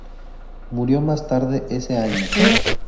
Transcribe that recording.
Murió más tarde ese año.